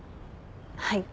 はい。